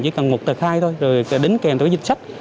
chỉ cần một tờ khai thôi rồi đứng kèm tới dịch sách